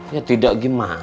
ya tidak gimana